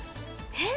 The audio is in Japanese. えっ！？